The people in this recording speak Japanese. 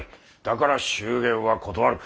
だから祝言は断る。